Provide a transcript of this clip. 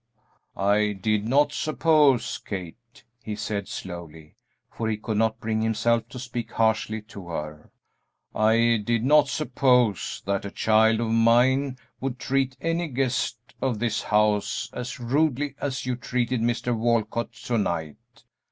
"I did not suppose, Kate," he said, slowly, for he could not bring himself to speak harshly to her, "I did not suppose that a child of mine would treat any guest of this house as rudely as you treated Mr. Walcott to night.